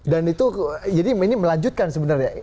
dan itu jadi ini melanjutkan sebenarnya